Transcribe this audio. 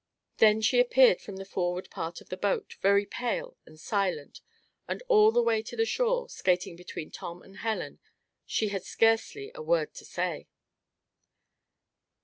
Then she appeared from the forward part of the boat, very pale and silent, and all the way to the shore, skating between Tom and Helen, she had scarcely a word to say.